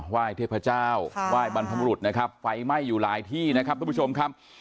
ไหว้เทพเจ้าไหว้บรรพบรุษนะครับไฟไหม้อยู่หลายที่นะครับทุกผู้ชมครับ